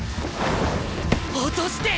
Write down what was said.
落として。